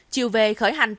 chiều về khởi hành